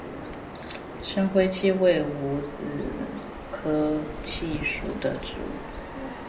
深灰槭为无患子科槭属的植物。